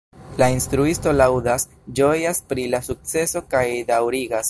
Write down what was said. La instruisto laŭdas, ĝojas pri la sukceso kaj daŭrigas.